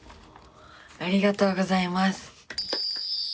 ありがとうございます！